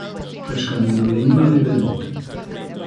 Does ganddyn nhw unman i fynd.